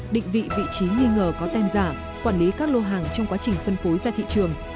định vị vị trí nghi ngờ có tem giả quản lý các lô hàng trong quá trình phân phối ra thị trường